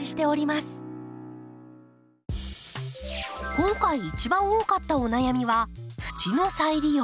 今回一番多かったお悩みは土の再利用。